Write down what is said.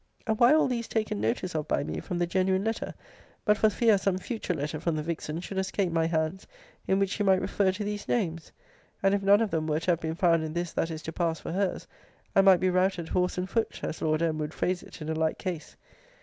] And why all these taken notice of by me from the genuine letter, but for fear some future letter from the vixen should escape my hands, in which she might refer to these names? And, if none of them were to have been found in this that is to pass for her's, I might be routed horse and foot, as Lord M. would phrase it in a like case.